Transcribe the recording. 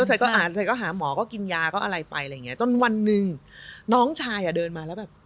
แล้วชัยก็หาหมอก็กินยาก็อะไรไปจนวันหนึ่งน้องชายเดินมาแล้วแบบ